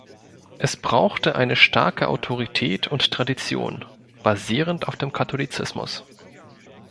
Es brauchte eine starke Autorität und Tradition, basierend auf dem Katholizismus.